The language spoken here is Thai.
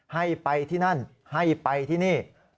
ให้ไปที่นั่นให้ไปที่นี่